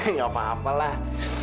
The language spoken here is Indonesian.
enggak apa apa lah